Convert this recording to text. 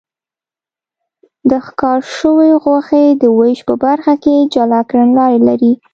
د ښکار شوې غوښې د وېش په برخه کې جلا کړنلارې لري.